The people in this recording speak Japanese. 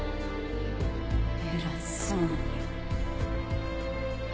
偉そうに。